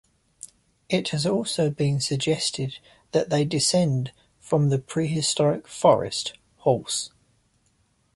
It has also been suggested that they descend from the prehistoric Forest horse.